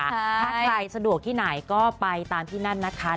ถ้าใครสะดวกที่ไหนก็ไปตามที่นั่นนะคะ